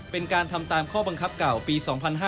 เป็นการทำตามข้อบังคับเก่าปี๒๕๕๙